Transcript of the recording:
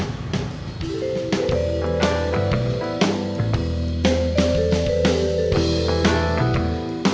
mirip bintang film